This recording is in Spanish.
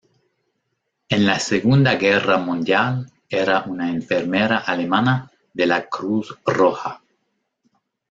En la Segunda Guerra Mundial era una enfermera alemana de la Cruz Roja.